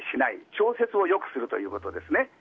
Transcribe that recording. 調節をよくするということですね。